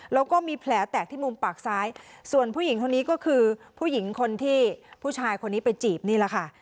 แล้วก็มีแผลแตกที่มุมปากซ้ายส่วนผู้หญิงคนนี้ก็คือผู้หญิงคนที่ผู้ชายคนนี้ไปจีบนี่แหละค่ะ